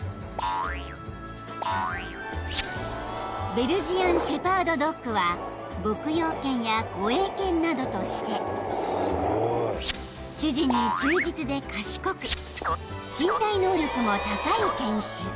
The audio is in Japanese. ［ベルジアン・シェパード・ドッグは牧羊犬や護衛犬などとして主人に忠実で賢く身体能力も高い犬種］